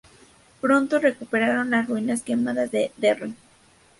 Pronto recuperaron las ruinas quemadas de Derry.